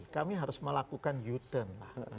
kami harus melakukan u turn